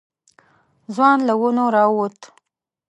ځوان له ونو راووت.